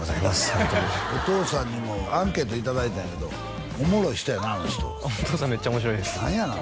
ホントにお父さんにもアンケートいただいたんやけどおもろい人やなあの人お父さんめっちゃ面白いです何やの？